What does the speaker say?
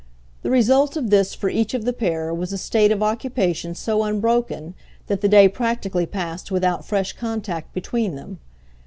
The result of this for each of the pair was a state of occupation so unbroken that the day practically passed without fresh contact between them.